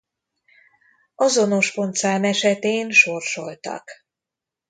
Azonos pontszám esetén sorsoltak.